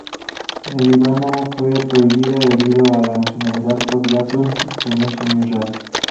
The event was the first sign of returning Chinese expansionism in China.